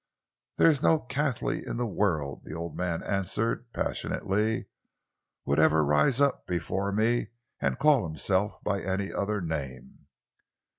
"There is no Cathley in the world," the old man answered passionately, "would ever rise up before me and call himself by any other name."